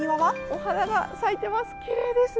お花が咲いています。